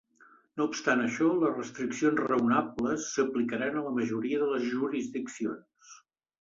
No obstant això, les restriccions "raonables" s'aplicaran a la majoria de les jurisdiccions.